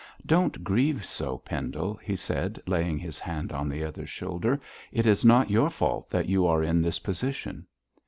'Don't grieve so, Pendle!' he said, laying his hand on the other's shoulder; 'it is not your fault that you are in this position.'